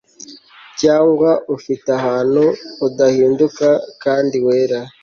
Cyangwa ufite ahantu udahinduka kandi wera